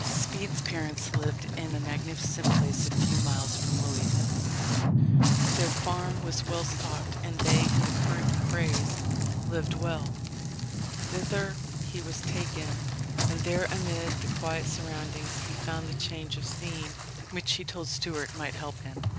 Speed's parents lived in a magnificent place a few miles from Louisville. Their farm was well stocked, and they, in the current phrase, "lived well." Thither he was taken, and there amid the quiet surroundings he found the "change of scene" which he told Stuart might help him.